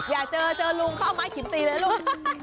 อยากเจอเจอลุงเขาเอาไม้ขิมตีเลยลูก